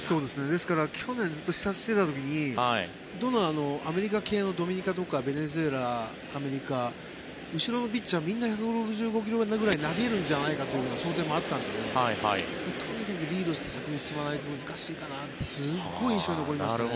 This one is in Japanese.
ですから去年、ずっと視察していた時にアメリカ系のドミニカとかベネズエラ後ろのピッチャーみんな１６５ｋｍくらい投げるんじゃないかという想定もあったのでとにかくリードして先に進めないと難しいかなとすごい印象に残りましたね。